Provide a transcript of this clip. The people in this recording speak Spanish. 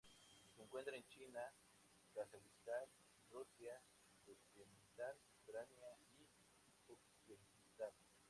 Se encuentran en China, Kazajistán, Rusia, Turkmenistán, Ucrania y Uzbekistán.